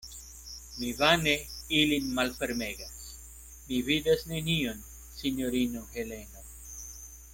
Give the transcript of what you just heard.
Mi vane ilin malfermegas; mi vidas nenion, sinjorino Heleno.